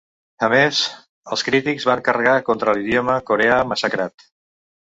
A més, els crítics van carregar contra "l'idioma coreà massacrat".